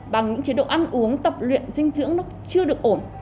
bằng những chế độ ăn uống tập luyện dinh dưỡng nó chưa được ổn